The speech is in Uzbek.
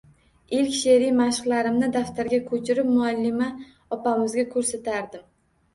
Ilk she`riy mashqlarimni daftarga ko`chirib, muallima opamizga ko`rsatardim